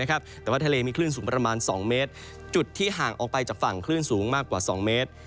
แต่ว่าทะเลมีคลื่นสูงประมาณ๒เมตรจุดที่ห่างออกไปจากฝั่งคลื่นสูงมากกว่า๒เมตร